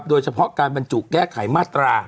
โดยเฉพาะการบรรจุแก้ไขมาตรา